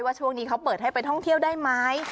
ช่วงนี้เขาเปิดให้ไปท่องเที่ยวได้ไหม